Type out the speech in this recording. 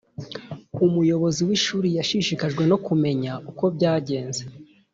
Umuyobozi w ishuri yashishikajwe no kumenya uko byagenze